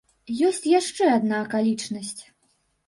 Ёсць яшчэ адна акалічнасць.